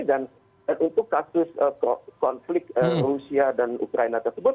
dan untuk kasus konflik rusia dan ukraina tersebut